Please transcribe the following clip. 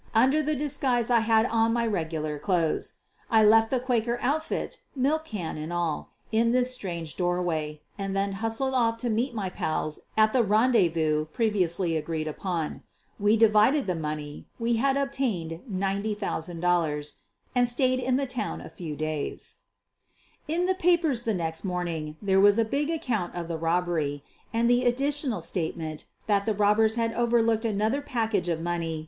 Under the disguise I had on my regular clothes. I left the Quaker outfit, milk ean and all, in this strange doorway and then hustled off to meet my pals at the rendezvous previously agreed upon. We divided the money — we had obtained $90,000 — and stayed in the town a few days. In the papers the next morning there was a big account of the robbery, and the additional state ment that the robbers had overlooked another pack age of moiir?